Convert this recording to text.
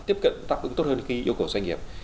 để tiếp cận tác ứng tốt hơn yêu cầu doanh nghiệp